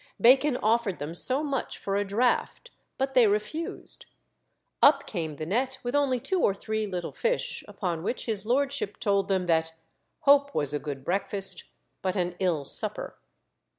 Bacon offered them so much for a draught, but they refused. Up came the net with only two or three little fish; upon which his lordship told them that "hope was a good breakfast, but an ill supper."